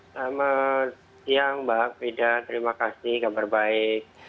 selamat siang mbak fida terima kasih kabar baik